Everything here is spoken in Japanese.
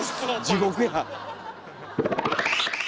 地獄や。